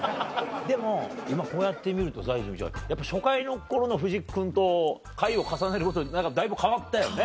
でも今こうやって見るとさ泉ちゃんやっぱ初回の頃の藤木君と回を重ねるごとにだいぶ変わったよね。